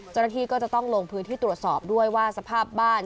เจ้าหน้าที่ก็จะต้องลงพื้นที่ตรวจสอบด้วยว่าสภาพบ้าน